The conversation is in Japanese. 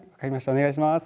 お願いします。